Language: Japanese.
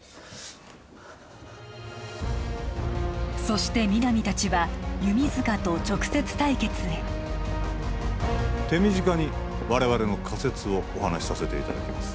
そして皆実達は弓塚と直接対決へ手短に我々の仮説をお話しさせていただきます